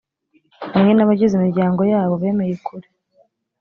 hamwe n’abagize imiryango yabo bemeye ukuri